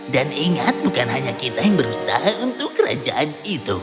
dan ingat bukan hanya kita yang berusaha untuk kerajaan itu